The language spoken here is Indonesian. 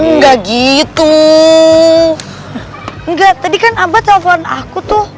enggak gitu enggak tadi kan abah telfon aku tuh